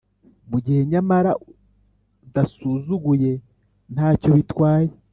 mugihe nyamara udasuzuguyentacyo bitwaye